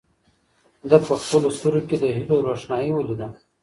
ده په خپلو سترګو کې د هیلو روښنايي ولیده.